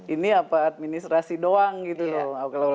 ini apa administrasi doang gitu loh